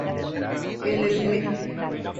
En el Mt.